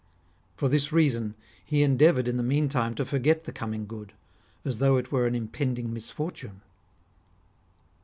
For this reason he endeavoured in the meantime to forget the coming good, as though it were an impending misfortune.